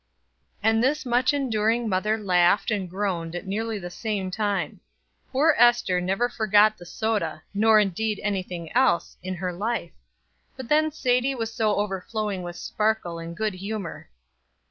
And this much enduring mother laughed and groaned at nearly the same time. Poor Ester never forgot the soda, nor indeed anything else, in her life; but then Sadie was so overflowing with sparkle and good humor.